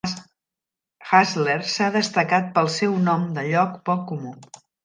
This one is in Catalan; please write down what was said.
Hustler s'ha destacat pel seu nom de lloc poc comú.